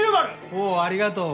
おうありがとう。